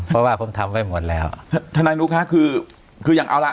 เพราะว่าผมทำไว้หมดแล้วทนายนุคะคือคืออย่างเอาล่ะ